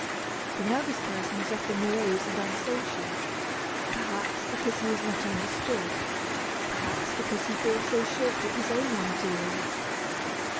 The nervous person is often morose and unsocial perhaps because he is not understood, perhaps because he falls so short of his own ideals.